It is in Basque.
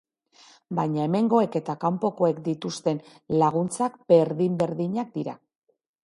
Baina hemengoek eta kanpokoek dituzten laguntzak berdin berdinak dira.